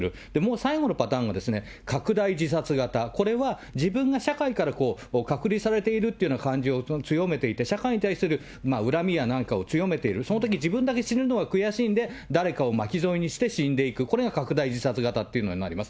最後のパターンが、拡大自殺型、これは自分が社会から隔離されているっていうような感情を強めていて、社会に対する恨みやなんかを強めている、そのとき自分だけ死ぬのが悔しいので、誰かを巻き添えにして死んでいく、これが拡大自殺型っていうのになります。